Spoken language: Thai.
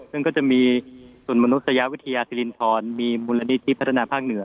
ซึ่งก็จะมีส่วนมนุษยาวิทยาศิรินทรมีมูลนิธิพัฒนาภาคเหนือ